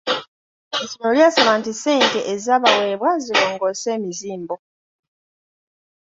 Essomero lyasaba nti ssente ezabaweebwa zirongoose emizimbo.